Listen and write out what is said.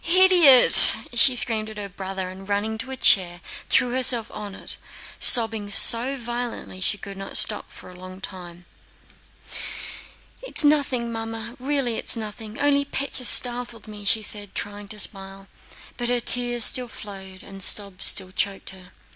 "Idiot!" she screamed at her brother and, running to a chair, threw herself on it, sobbing so violently that she could not stop for a long time. "It's nothing, Mamma, really it's nothing; only Pétya startled me," she said, trying to smile, but her tears still flowed and sobs still choked her.